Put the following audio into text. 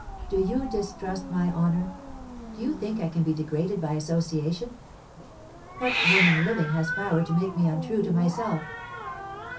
Do you distrust my honour? Do you think I can be degraded by association? What woman living has power to make me untrue to myself?"